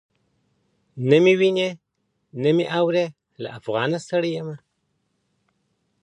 نه مي ویني نه مي اوري له افغانه یمه ستړی.